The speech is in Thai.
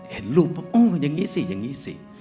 เห็นรูปบอกโอ้อย่างนี้สิอย่างนี้สิ